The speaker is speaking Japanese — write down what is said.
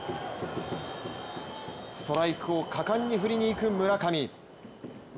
ストライクを果敢に振りにいく村上。